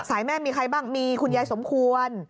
แม่มีใครบ้างมีคุณยายสมควร